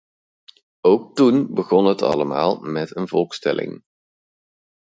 Ook toen begon het allemaal met een volkstelling.